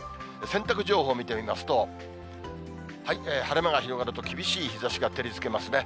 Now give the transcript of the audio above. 洗濯情報を見てみますと、晴れ間が広がると厳しい日ざしが照りつけますね。